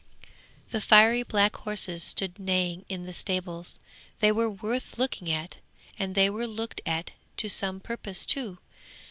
'The fiery black horses stood neighing in the stables; they were worth looking at, and they were looked at to some purpose too.